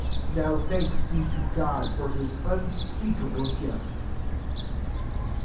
15 yvb»>] thanks be to God for his inspeakable gift.* Ch.